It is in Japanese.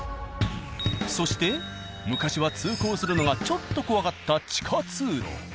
そして昔は通行するのがちょっと怖かった地下通路。